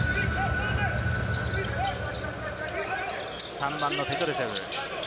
３番のペトルセフ。